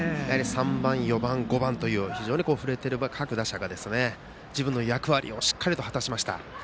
３番、４番、５番と非常に振れている各打者が自分の役割をしっかりと果たしました。